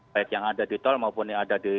baik yang ada di tol maupun yang ada di